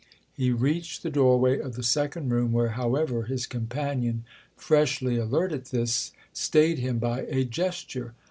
He reached the doorway of the second room, where, however, his companion, freshly alert at this, stayed him by a gesture.